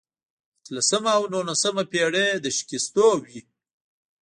اتلسمه او نولسمه پېړۍ د شکستونو وې.